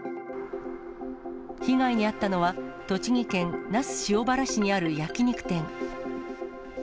被害に遭ったのは、栃木県那須塩原市にある焼き肉店。